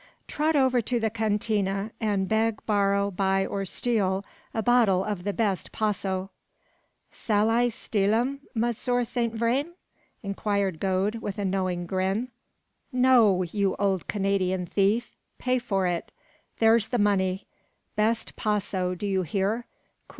"Trot over to the cantina, and beg, borrow, buy, or steal, a bottle of the best Paso." "Sall I try steal 'im, Monsieur Saint Vrain?" inquired Gode, with a knowing grin. "No, you old Canadian thief! Pay for it. There's the money. Best Paso, do you hear?